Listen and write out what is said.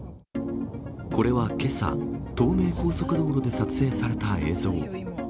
これはけさ、東名高速道路で撮影された映像。